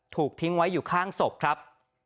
ซึ่งทิ้งไว้คล้างศพครับ